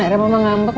akhirnya mama ngambek